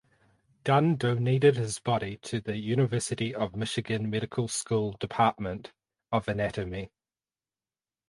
Dunn donated his body to the University of Michigan Medical School Department of Anatomy.